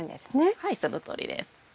はいそのとおりです。